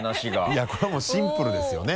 いやこれはもうシンプルですよね。